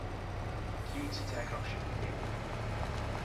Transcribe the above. Cinnte, d'eagródh sí picéad.